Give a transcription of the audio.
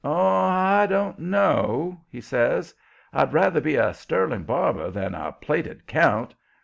"Oh! I don't know," he says. "I'd rather be a sterling barber than a plated count.